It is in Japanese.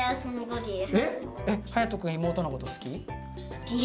はやとくん妹のこと好き？